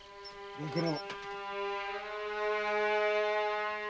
ご苦労。